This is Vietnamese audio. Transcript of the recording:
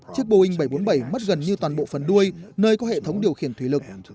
chiếc boeing bảy trăm bốn mươi bảy mất gần như toàn bộ phần đuôi nơi có hệ thống điều khiển thủy lực